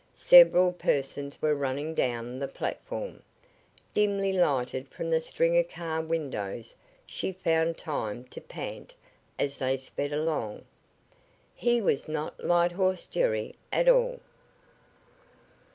Several persons were running down the platform, dimly lighted from the string of car windows She found time to pant as they sped along: "He was not Light horse Jerry, at all!"